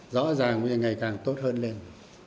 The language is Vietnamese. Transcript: rõ ràng ngày càng tốt hơn lên